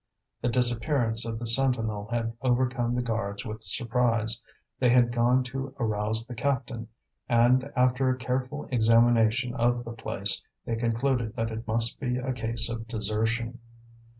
The disappearance of the sentinel had overcome the guards with surprise; they had gone to arouse the captain, and after a careful examination of the place, they concluded that it must be a case of desertion.